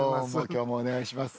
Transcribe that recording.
今日もお願いします。